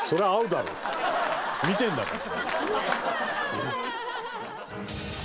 見てるんだから。